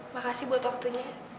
makasih buat waktunya